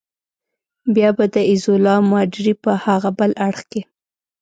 بیا به د ایزولا ماډرې په هاغه بل اړخ کې.